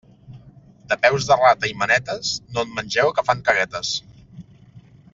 De peus de rata i manetes, no en mengeu, que fan caguetes.